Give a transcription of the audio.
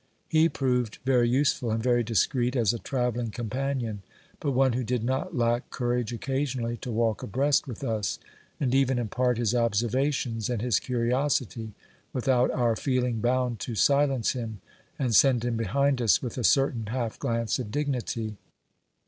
He proved very useful and very discreet as a travelling companion, but one who did not lack courage occasionally to walk abreast with us, and even impart his observations and his curiosity, without our feeling bound to silence him and send him behind us with a certain half glance of dignity.